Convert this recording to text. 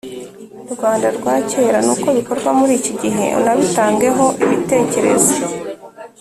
rwanda rwa kera n’uko bikorwa muri iki gihe, unabitangeho ibitekerezo.